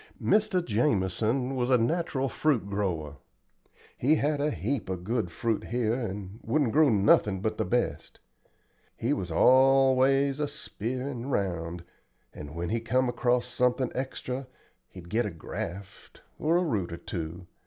Mr. Jamison was a natural fruit grower. He had a heap of good fruit here and wouldn't grow nothin' but the best. He was always a speerin' round, and when he come across something extra he'd get a graft, or a root or two.